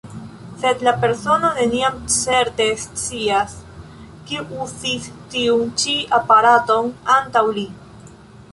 Sed la persono neniam certe scias, kiu uzis tiun ĉi aparaton antaŭ li.